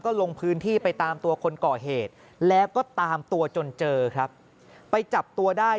ลงพื้นที่ไปตามตัวคนก่อเหตุแล้วก็ตามตัวจนเจอครับไปจับตัวได้